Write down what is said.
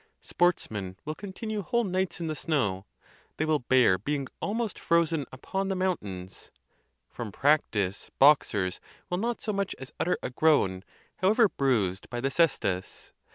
Sportsmen will continue whole nights in the snow; they will bear being almost frozen upon the mountains. From practice boxers will not so much as utter a groan, however bruised by the cestus.